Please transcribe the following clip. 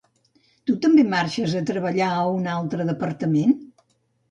Tu també marxes a treballar a un altre departament?